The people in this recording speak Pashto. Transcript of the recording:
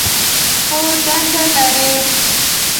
خو دنده لري.